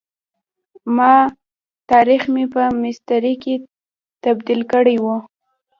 ما تاریخ مې په میسترې کي تبد یل کړی وو.